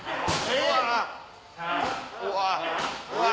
うわ！